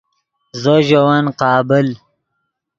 زو ژے ون قابل